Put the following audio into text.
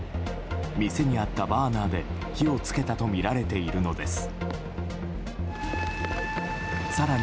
店にあったバーナーで火をつけたとみられているのです。